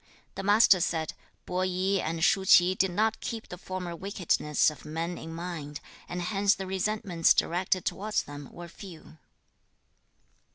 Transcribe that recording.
The Master said, 'Po i and Shu ch'i did not keep the former wickednesses of men in mind, and hence the resentments directed towards them were few.'